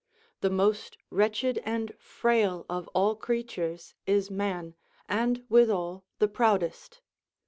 The most wretched and frail of all creatures is man, and withal the proudest.